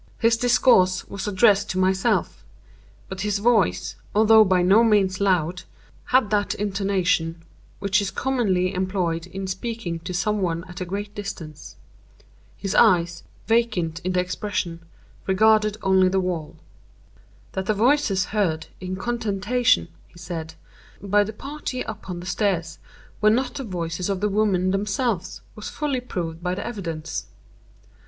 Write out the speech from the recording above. His discourse was addressed to myself; but his voice, although by no means loud, had that intonation which is commonly employed in speaking to some one at a great distance. His eyes, vacant in expression, regarded only the wall. "That the voices heard in contention," he said, "by the party upon the stairs, were not the voices of the women themselves, was fully proved by the evidence.